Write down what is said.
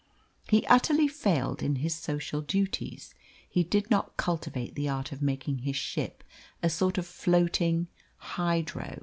He utterly failed in his social duties; he did not cultivate the art of making his ship a sort of floating "hydro".